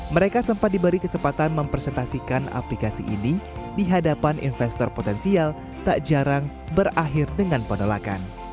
mereka sempat diberi kesempatan mempresentasikan aplikasi ini di hadapan investor potensial tak jarang berakhir dengan penolakan